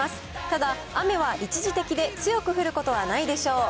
ただ、雨は一時的で、強く降ることはないでしょう。